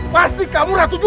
pasti kamu ratu juntikan